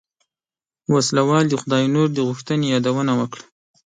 وسله وال د خداينور د غوښتنې يادونه وکړه.